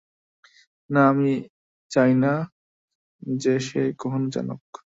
না, এবং আমি চাই না যে সে কখনও জানুক।